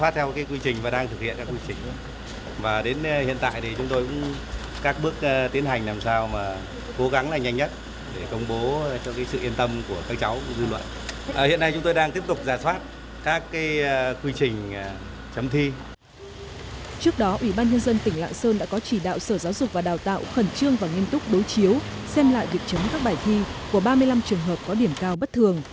trước đó ủy ban nhân dân tỉnh lạng sơn đã có chỉ đạo sở giáo dục và đào tạo khẩn trương và nghiêm túc đối chiếu xem lại định chấm các bài thi của ba mươi năm trường hợp có điểm cao bất thường